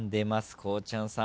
こうちゃんさん。